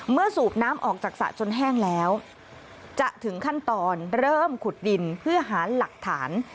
สูบน้ำออกจากสระจนแห้งแล้วจะถึงขั้นตอนเริ่มขุดดินเพื่อหาหลักฐาน